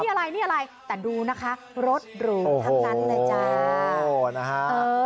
นี่อะไรนี่อะไรแต่ดูนะคะรถหรูทั้งนั้นเลยจ้านะฮะ